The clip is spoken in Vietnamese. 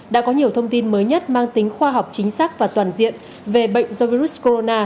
đã có nhiều thông tin mới nhất mang tính khoa học chính xác và toàn diện về bệnh do virus corona